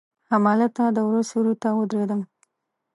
هملته د وره سیوري ته ودریدم.